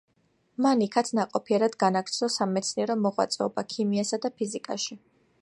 მან იქაც ნაყოფიერად განაგრძო სამეცნიერო მოღვაწეობა ქიმიასა და ფიზიკაში.